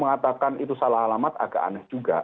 mengatakan itu salah alamat agak aneh juga